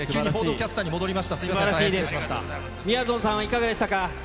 みやぞんさんはいかがでしたか。